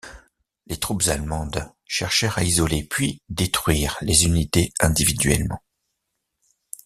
Les troupes allemandes cherchèrent à isoler puis détruire les unités individuellement.